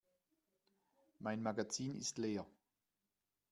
Mein Magazin ist leer.